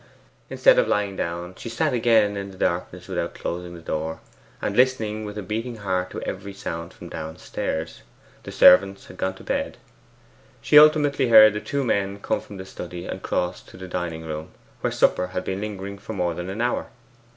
Instead of lying down she sat again in the darkness without closing the door, and listened with a beating heart to every sound from downstairs. The servants had gone to bed. She ultimately heard the two men come from the study and cross to the dining room, where supper had been lingering for more than an hour.